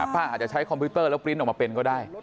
อาจจะใช้คอมพิวเตอร์แล้วปริ้นต์ออกมาเป็นก็ได้